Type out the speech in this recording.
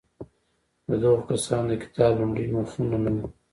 د دغو کیسو د کتاب لومړي مخونه نه وو؟